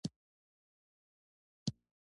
• دلته راحت سره کښېنه.